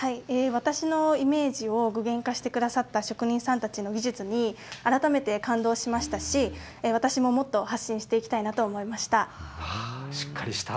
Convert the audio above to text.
私のデザインをイメージを具現化してくださった職人さんたちに感動しましたし私ももっと発信していきたいなと思いました。